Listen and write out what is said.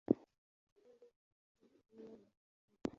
U Burunndi nke kimwe mu bihugu